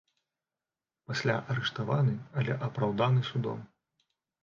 Пасля арыштаваны, але апраўданы судом.